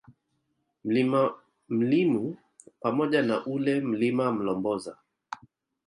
Mlima Mlimu pamoja na ule Mlima Mlomboza